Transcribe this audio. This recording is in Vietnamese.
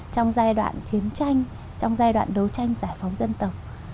trong giai đoạn chiến tranh trong giai đoạn đấu tranh giải phóng dân tộc